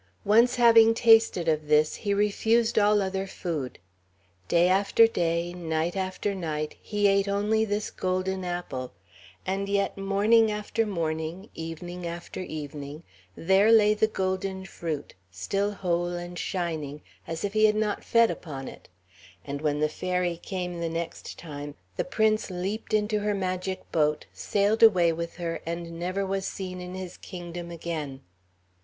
Once having tasted of this, he refused all other food. Day after day, night after night, he ate only this golden apple; and yet, morning after morning, evening after evening, there lay the golden fruit, still whole and shining, as if he had not fed upon it; and when the Fairy came the next time, the Prince leaped into her magic boat, sailed away with her, and never was seen in his kingdom again.